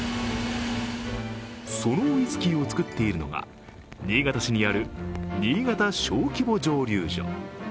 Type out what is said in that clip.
そのウイスキーを作っているのが、新潟市にある新潟小規模蒸溜所。